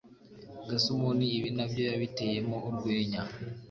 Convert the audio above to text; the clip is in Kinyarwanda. Gasumuni ibi nabyo yabiteyemo urwenya